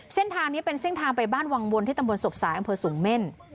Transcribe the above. เส้นทางนี้เป็นเส้นทางไปบ้านวังวนที่ตำบลศพสายอำเภอสูงเม่น